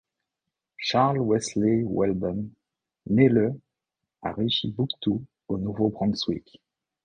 Charles Wesley Weldon naît le à Richibouctou, au Nouveau-Brunswick.